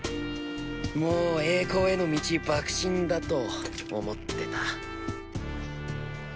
もう栄光への道驀進だと思ってた